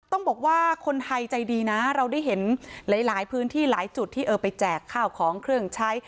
ต้องบอกว่าคนไทยใจดีนะเราได้เห็นหลายพื้นที่หลายจุดที่เออไปแจกข้าวของเครื่องใช้